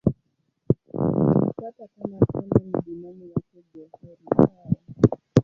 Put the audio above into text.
Aliyemfuata kama Tenno ni binamu yake Go-Horikawa.